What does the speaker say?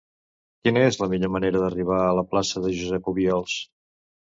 Quina és la millor manera d'arribar a la plaça de Josep Obiols?